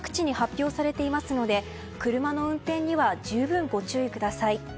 濃霧注意報が、東京など各地に発表されていますので車の運転には十分ご注意ください。